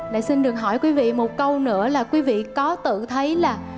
lại xin được hỏi quý vị một câu nữa là quý vị có tự thấy là